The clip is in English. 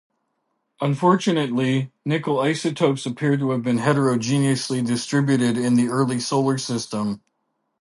Unfortunately, nickel isotopes appear to have been heterogeneously distributed in the early solar system.